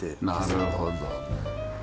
なるほどね。